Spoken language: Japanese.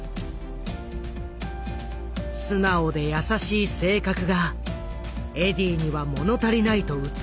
素直で優しい性格がエディーには物足りないと映ったらしい。